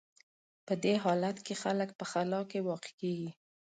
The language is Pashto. په دې حالت کې خلک په خلا کې واقع کېږي.